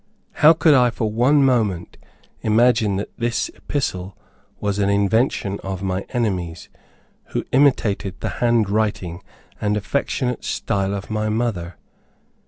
How could I for one moment imagine that this epistle was an invention of my enemies, who imitated the hand writing and affectionate style of my mother?